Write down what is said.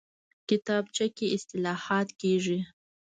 کتابچه کې اصلاحات کېږي